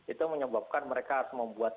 itu menyebabkan mereka harus membuat